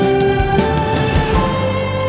aku masih main